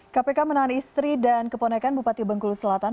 kpk menahan istri dan keponekan bupati bengkulu selatan